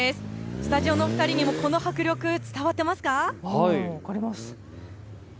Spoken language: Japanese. スタジオのお二人にもこの迫力、伝わっていますか。